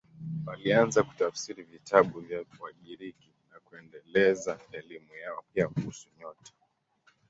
Walianza kutafsiri vitabu vya Wagiriki na kuendeleza elimu yao, pia kuhusu nyota.